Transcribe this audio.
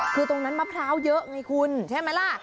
คือตรงนั้นมะพร้าวเยอะไงคุณใช่ไหมล่ะ